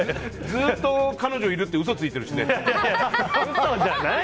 ずっと彼女いるって嘘ついているしね。